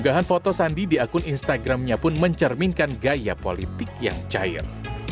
unggahan foto sandi di akun instagramnya pun mencerminkan gaya politik yang cair